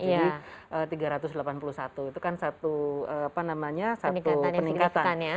ini tiga ratus delapan puluh satu itu kan satu peningkatan